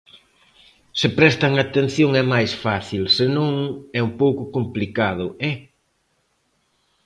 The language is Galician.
Se prestan atención, é máis fácil; se non, é un pouco complicado, ¡eh!